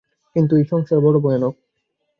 কিন্তু এই সংসার বড় ভয়ানক।